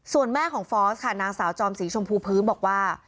ส่วนแม่ของฟอสค่ะนางสาวจอมสีชมพูพื้นบอกว่า